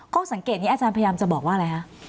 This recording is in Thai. ข้อสังเกตนี้อาจารย์พยายามจะบอกว่าอะไรคะ